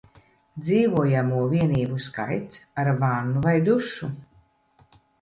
Dzīvojamo vienību skaits ar vannu vai dušu